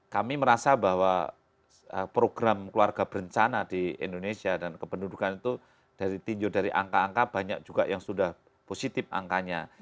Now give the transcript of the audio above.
kami merasa bahwa program keluarga berencana di indonesia dan kependudukan itu dari tinjau dari angka angka banyak juga yang sudah positif angkanya